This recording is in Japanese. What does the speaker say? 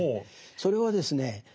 それはですね